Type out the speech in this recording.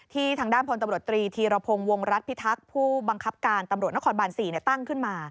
ทางด้านพลตำรวจตรีธีรพงศ์วงรัฐพิทักษ์ผู้บังคับการตำรวจนครบาน๔ตั้งขึ้นมา